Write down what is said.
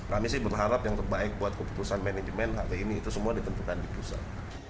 kami sih berharap yang terbaik buat keputusan manajemen hti ini itu semua ditentukan di pusat